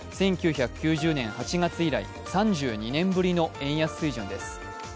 １９９０年８月以来３２年ぶりの円安水準です。